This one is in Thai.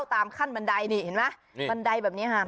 ตามขั้นบันไดนี่เห็นไหมบันไดแบบนี้ค่ะ